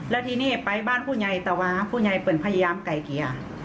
แล้วทีนี้ไปบ้านผู้ใยตะวะผู้ใยเปิดพยายามไกลกี่